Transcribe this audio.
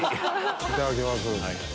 いただきます。